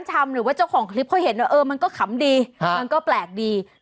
หรือว่าเจ้าของคลิปเขาเห็นว่าเออมันก็ขำดีมันก็แปลกดี